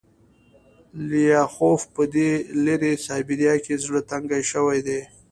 لیاخوف په دې لیرې سایبریا کې زړه تنګی شوی دی